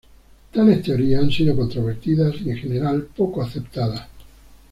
Tales teorías han sido controvertidas y en general poco aceptadas.